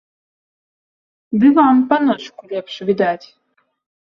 Ды вам, паночку, лепш відаць!